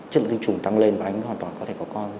chất lượng tinh trùng tăng lên và anh hoàn toàn có thể có con